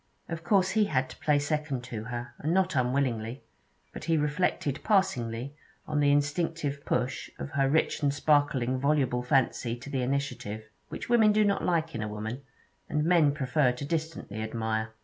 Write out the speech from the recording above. Of course he had to play second to her, and not unwillingly; but he reflected passingly on the instinctive push of her rich and sparkling voluble fancy to the initiative, which women do not like in a woman, and men prefer to distantly admire.